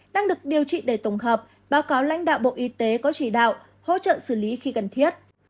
đang được điều trị để tổng hợp báo cáo lãnh đạo bộ y tế có chỉ đạo hỗ trợ xử lý khi cần thiết